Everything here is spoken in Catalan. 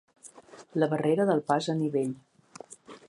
La barrera del pas a nivell.